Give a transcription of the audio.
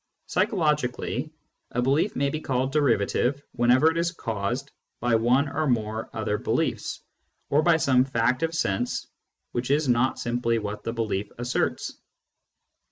Psychologically, a belief may be called derivative whenever it is caused by one or more other beliefs, or by some fact of sense which is not simply what the belief asserts.